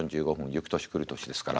「ゆく年くる年」ですから。